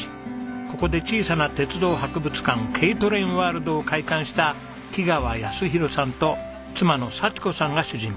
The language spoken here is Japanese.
ここで小さな鉄道博物館Ｋトレインワールドを開館した木川泰弘さんと妻の佐智子さんが主人公です。